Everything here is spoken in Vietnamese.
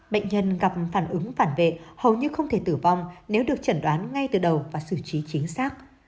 bệnh nhân gặp phản ứng phản vệ hầu như không thể tử vong nếu được chẩn đoán ngay từ đầu và xử trí chính xác